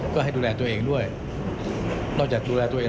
ก็ให้ดูแลตัวเองด้วยนอกจากดูแลตัวเอง